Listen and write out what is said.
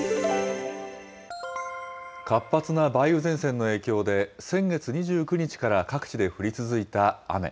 活発な梅雨前線の影響で、先月２９日から各地で降り続いた雨。